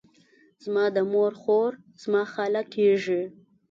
زما د مور خور، زما خاله کیږي.